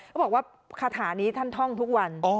เขาบอกว่าคาถานี้ท่านท่องทุกวัน